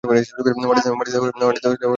মাটিতে লুটিয়ে পড়লেন তিনি।